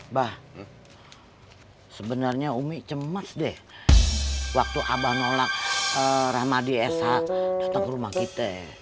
mbah sebenarnya umi cemas deh waktu abah nolak rahmadi esa dateng ke rumah kita